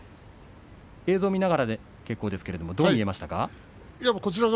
映像を見ながらで結構ですがどう見ましたか。